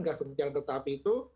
grafik perjalanan kereta api itu